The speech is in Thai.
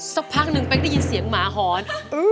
สักพักหนึ่งเป๊กได้ยินเสียงหมาหอน